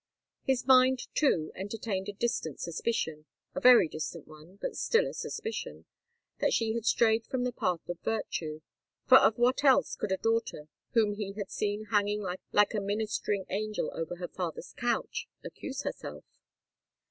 His mind, too, entertained a distant suspicion—a very distant one, but still a suspicion—that she had strayed from the path of virtue;—for of what else could a daughter, whom he had seen hanging like a ministering angel over her father's couch, accuse herself?